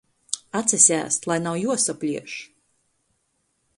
Atsasēst, lai nav juosaplieš!